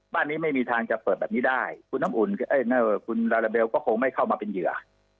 บ้านนี้ไม่มีทางจะเปิดแบบนี้ได้คุณน้ำอุ่นคุณลาลาเบลก็คงไม่เข้ามาเป็นเหยื่อ